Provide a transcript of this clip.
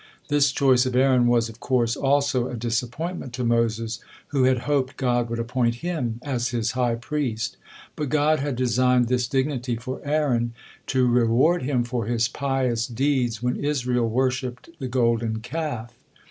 This choice of Aaron was, of course, also a disappointment to Moses, who had hoped God would appoint him as His high priest, but God had designed this dignity for Aaron to reward him for his pious deeds when Israel worshipped the Golden Calf.